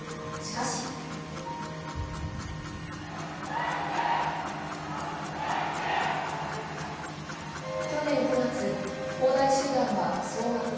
しかし去年９月、恒大集団は総額